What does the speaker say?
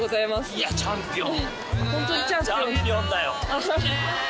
いやチャンピオン！